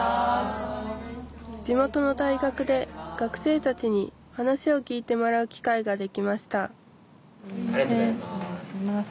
地元の大学で学生たちに話を聞いてもらう機会ができましたありがとうございます。